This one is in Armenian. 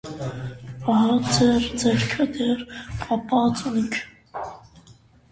Ահա, ձեր ձեռքը դեռ կապած ունիք: